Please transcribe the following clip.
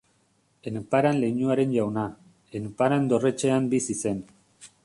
Enparan leinuaren jauna, Enparan dorretxean bizi zen.